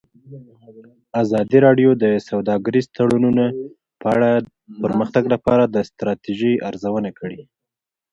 ازادي راډیو د سوداګریز تړونونه په اړه د پرمختګ لپاره د ستراتیژۍ ارزونه کړې.